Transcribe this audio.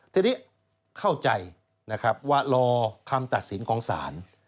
ทีนี้เข้าใจนะครับว่ารอคำตัดสินของศาล